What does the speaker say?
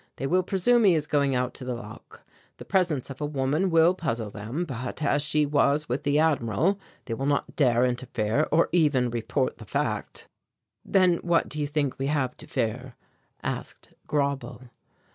They will presume he is going out to the lock. The presence of a woman will puzzle them; but, as she was with the Admiral, they will not dare interfere or even report the fact." "Then what do you think we have to fear?" asked Grauble.